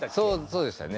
そうでしたね。